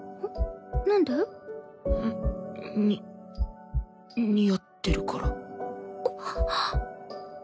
なんで？に似合ってるから。